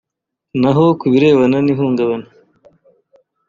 naho ku birebana n’ihungabana